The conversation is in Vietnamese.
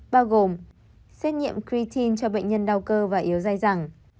bao gồm xét nghiệm pritin cho bệnh nhân đau cơ và yếu dài dẳng